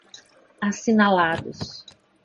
assinalados